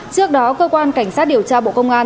trước đó cơ quan cảnh sát điều tra bộ công an